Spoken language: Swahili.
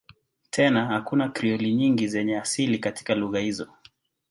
Tena kuna Krioli nyingi zenye asili katika lugha hizo.